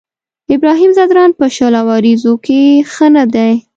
ابراهيم ځدراڼ په شل اوريزو کې ښه نه دی.